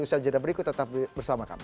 usaha jadwal berikut tetap bersama kami